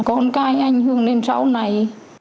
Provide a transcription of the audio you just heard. con cái anh hương lên sau này